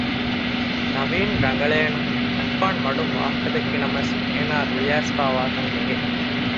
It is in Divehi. ނަވީން ރަނގަޅޭނުން އައްފާން މަޑުން ވާހަކަ ދެއްކި ނަމަވެސް އޭނާ ރުޅި އައިސްފައިވާކަން އެނގެ